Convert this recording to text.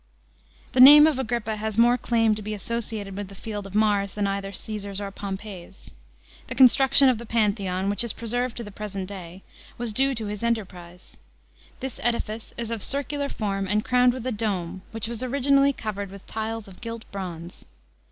The name of Agrippa has more claim to be associated with the Field of Mars than either Caesar's or Pompey 's. The construction of the Pantheon, which is preserved to the present day, was due to his enterprise. This edifice is of circular form and crowned with a dome, which was originally covered with tiles of gilt bronze.